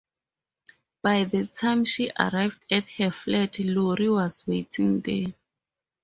By the time she arrived at her flat, Lawrie was waiting there.